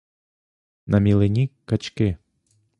На мілині — качки.